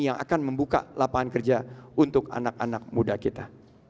yang akan membuka lapangan kerja untuk anak anak muda kita